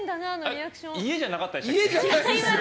家じゃなかったでしたっけ。